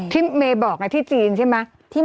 ที่เมย์บอกนะที่จีนใช่ไหม